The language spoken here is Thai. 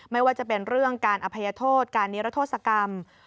ไม่ว่าจะเป็นเรื่องการอภัยโทษการนิรโทษกรรม